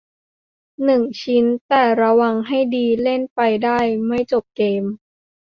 หนึ่ง ชิ้น แต่ระวังให้ดี เล่นไปได้ไม่จบเกม